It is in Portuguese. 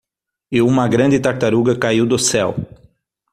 E uma grande tartaruga caiu do céu.